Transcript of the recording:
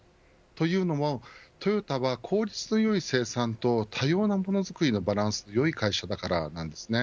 というのもトヨタは効率のよい生産と多様なものづくりのバランスのよい会社だからなんです。